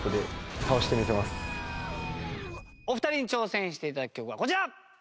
お二人に挑戦して頂く曲はこちら！